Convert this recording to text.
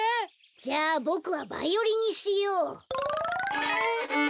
じゃあボクはバイオリンにしよう。